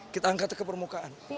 kita angkat ke permukaan